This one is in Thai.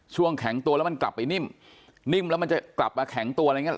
แข็งตัวแล้วมันกลับไปนิ่มนิ่มแล้วมันจะกลับมาแข็งตัวอะไรอย่างนี้